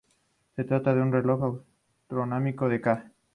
Se trata de un reloj astronómico de ca.